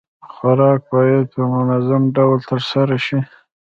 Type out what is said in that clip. خوراک بايد په منظم ډول ترسره شي.